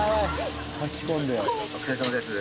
お疲れさまです